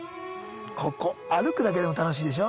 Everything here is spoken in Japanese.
ここ歩くだけでも楽しいでしょ？